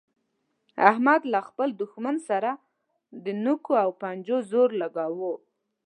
احمد له خپل دوښمن سره د نوکو او پنجو زور ولګاوو.